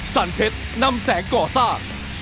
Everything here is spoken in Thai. สรรเพชรนำแสงก่อซาก